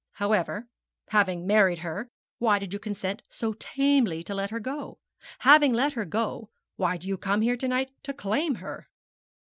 'However, having married her, why did you consent so tamely to let her go? Having let her go, why do you come here to night to claim her?'